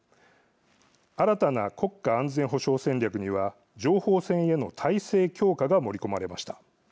新たな国家安全保障戦略には情報戦への体制強化が盛り込まれました。